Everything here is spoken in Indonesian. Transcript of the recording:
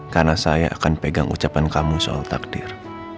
karena saya akan pegang ucapan kamu soal takdir